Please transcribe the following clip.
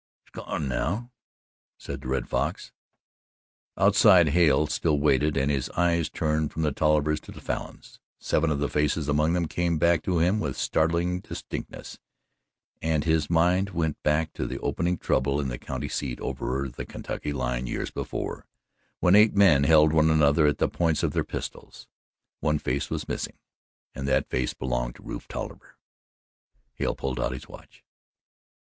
"He's gone now," said the Red Fox. Outside Hale still waited, and as his eyes turned from the Tollivers to the Falins, seven of the faces among them came back to him with startling distinctness, and his mind went back to the opening trouble in the county seat over the Kentucky line, years before when eight men held one another at the points of their pistols. One face was missing, and that face belonged to Rufe Tolliver. Hale pulled out his watch.